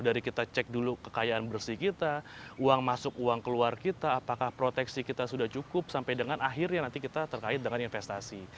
dari kita cek dulu kekayaan bersih kita uang masuk uang keluar kita apakah proteksi kita sudah cukup sampai dengan akhirnya nanti kita terkait dengan investasi